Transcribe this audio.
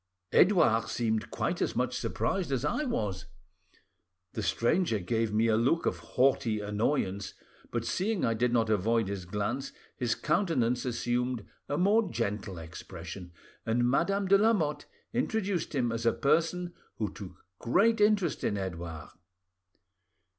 "Edouard seemed quite as much surprised as I was. The stranger gave me a look of haughty annoyance, but seeing I did not avoid his glance his countenance assumed a more gentle expression, and Madame de Lamotte introduced him as a person who took great interest in Edouard."